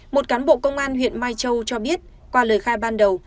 một cán bộ công an huyện mai châu cho biết qua lời khai ban đầu